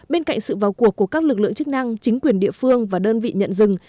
bên cạnh sự vào cuộc của các lực lượng chức năng chính quyền địa phương và đơn vị nhận rừng